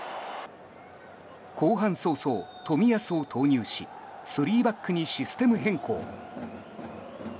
後半早々、冨安を投入し３バックにシステム変更。